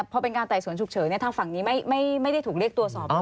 พอเป็นการไต่สวนฉุกเฉินทางฝั่งนี้ไม่ได้ถูกเรียกตรวจสอบ